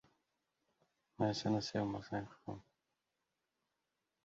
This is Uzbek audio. «Qonli gullar vodiysi: Madaminbek» romani muallifi bilan suhbat